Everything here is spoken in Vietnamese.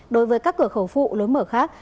đối với các cửa khẩu phụ lối mở khác